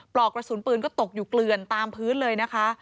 อกกระสุนปืนก็ตกอยู่เกลือนตามพื้นเลยนะคะ